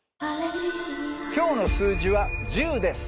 今日の数字は「１０」です。